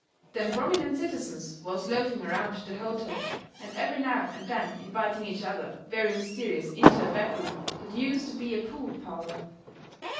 Them prominent citizens was loafing around the hotel and every now and then inviting each other very mysterious into a back room that use to be a pool parlour.